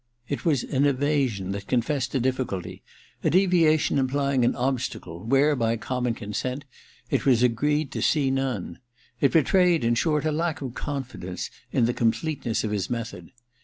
It was an evasion that confessed a difficulty ; a deviation implying an obstacle, where, by common consent, it was agreed to see none ; it betrayed, in short, a lack of confidence in the completeness of his method.